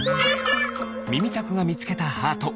みみたくがみつけたハート。